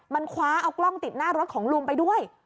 มันคว้าเอากล้องติดหน้ารถของลุงไปด้วย